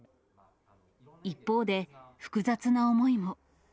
一方で、複雑な思いも。